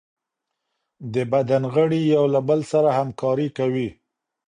د بدن غړي یو له بل سره همکاري کوي.